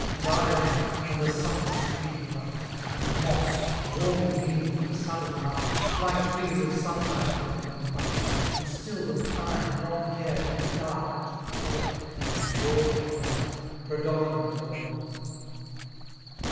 And ivy, and the suckle's streaky light. And moBs, wsrm gleaming with a sudden mark. Like flings oi auashine left upon the bark. And still the pine, long haired, and dark, and taU^ In lordly right, predominant o'er all.